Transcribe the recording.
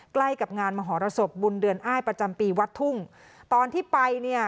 ใกล้กับงานมหรสบบุญเดือนอ้ายประจำปีวัดทุ่งตอนที่ไปเนี่ย